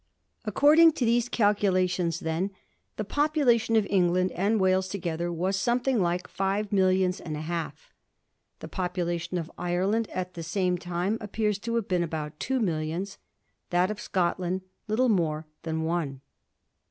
According to these calculations, then, the population of England and Wales together was some thing like five millions and a half. The population of Ireland at the same time appears to have been about two millions ; that of Scotland little more than •one.